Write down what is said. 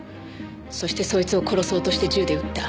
そしてそいつを殺そうとして銃で撃った。